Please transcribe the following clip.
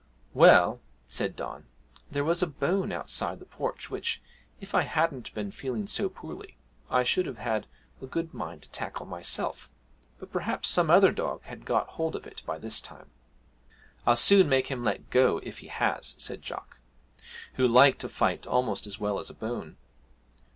'Well,' said Don, 'there was a bone outside the porch, which, if I hadn't been feeling so poorly, I should have had a good mind to tackle myself. But perhaps some other dog has got hold of it by this time.' 'I'll soon make him let go if he has!' said Jock, who liked a fight almost as well as a bone.